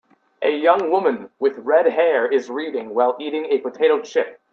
A young woman, with redhair, is reading, while eating a potato chip.